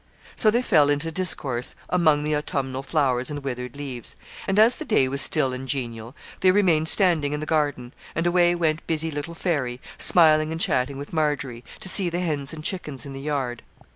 So they fell into discourse among the autumnal flowers and withered leaves; and, as the day was still and genial, they remained standing in the garden; and away went busy little 'Fairy,' smiling and chatting with Margery, to see the hens and chickens in the yard.